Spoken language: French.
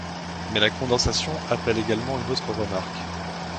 Mais la condensation appelle également une autre remarque.